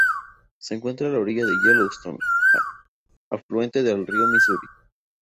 Se encuentra a la orilla del Yellowstone, afluente del río Misuri.